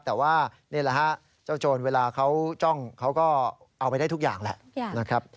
แต่ว่าเจ้าโชนเวลาเขาจ้องเขาก็เอาไปได้ทุกอย่างแล้วนะครับ